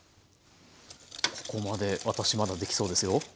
ここまで私まだできそうですよ。